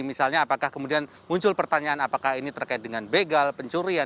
misalnya apakah kemudian muncul pertanyaan apakah ini terkait dengan begal pencurian